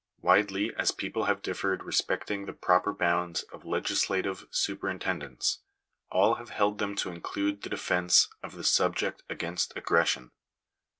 Widely as people have differed respecting the proper bounds of legislative superin tendence, all have held them to include the defence of the sub ject against aggression.